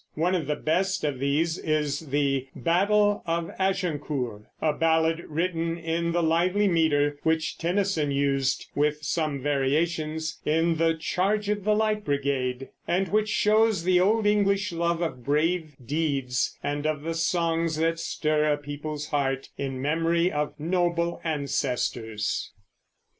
One of the best of these is the "Battle of Agincourt," a ballad written in the lively meter which Tennyson used with some variations in the "Charge of the Light Brigade," and which shows the old English love of brave deeds and of the songs that stir a people's heart in memory of noble ancestors.